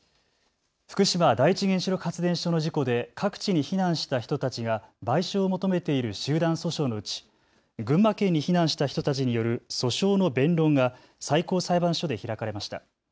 福島第一原子力発電所の事故で各地に避難した人たちが賠償を求めている集団訴訟のうち群馬県に避難した人たちによる訴訟の弁論が最高裁判所で開かれました。